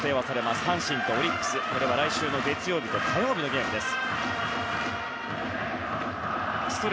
対阪神とオリックスは来週の月曜日と火曜日のゲームです。